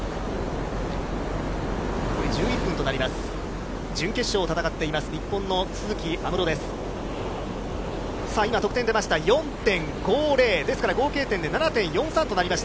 残り１１分となります。